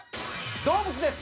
「動物」です。